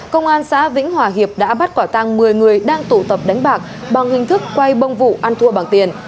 công an xã vĩnh hòa hiệp đã bắt quả tăng một mươi người đang tụ tập đánh bạc bằng hình thức quay bông vụ ăn thua bằng tiền